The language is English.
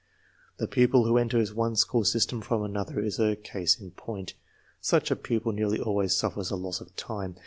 The pupil who enters one school system from another is a case in point. Such a pupil nearly always suffers a loss of time.